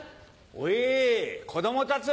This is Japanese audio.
おい子供たち！